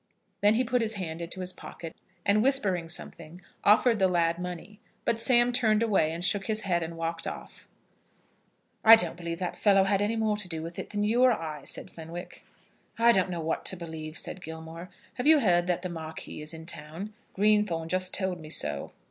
Then he put his hand into his pocket, and whispering something, offered the lad money. But Sam turned away, and shook his head, and walked off. "I don't believe that that fellow had any more to do with it than you or I," said Fenwick. "I don't know what to believe," said Gilmore. "Have you heard that the Marquis is in the town? Greenthorne just told me so."